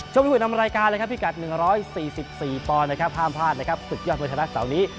ช่วงผิดกรุ่นนำรายการเลยครับพี่กัด๑๔๔ตอนนะครับห้ามพลาดนะครับศึกยอดเมืองธรรมชาวนี้